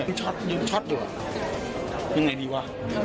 ยืนช็อตยืนช็อตดูว่ายังไงดีวะ